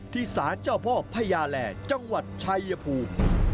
สารเจ้าพ่อพญาแหล่จังหวัดชัยภูมิ